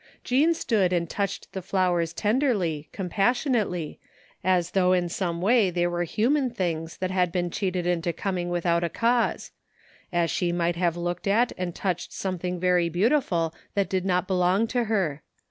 Jean stood and toudhed the flowers tenderly, com passionately, as though in some way they were human things that had been cheated into coming without a cause; as she might have looked at and touched something very beautiful that did not belong to her.